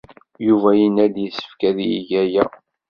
Yuba yenna-d yessefk ad yeg aya.